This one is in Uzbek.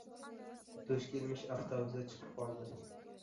Duch kelmish avtobusga chiqib oldi.